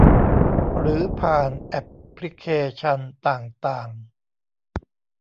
หรือผ่านแอปพลิเคชันต่างต่าง